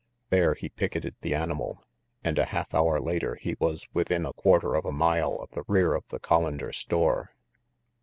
There he picketed the animal, and a half hour later he was within a quarter of a mile of the rear of the Collander store.